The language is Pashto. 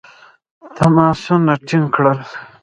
تماسونه ټینګ کړل.